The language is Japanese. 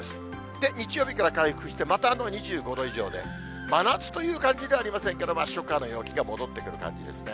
で、日曜日から回復して、また２５度以上で、真夏という感じではありませんけれども、初夏の陽気が戻ってくる感じですね。